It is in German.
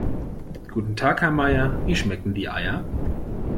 Guten Tag Herr Meier, wie schmecken die Eier?